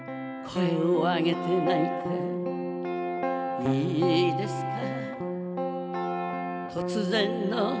「声をあげて泣いていいですか」